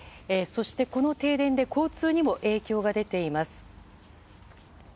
そして、この停電で交通にも影響が出ています。